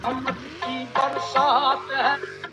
که پخپله دغه دنده کي بريالي سول، نو ډير ښه.